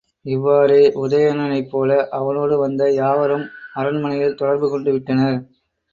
இவ்வாறே உதயணனைப்போல அவனோடு வந்த யாவரும் அரண்மனையில் தொடர்பு கொண்டுவிட்ட னர்.